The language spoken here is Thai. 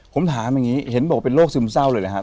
ผมถามอย่างนี้เห็นบอกว่าเป็นโรคซึมเศร้าเลยนะครับ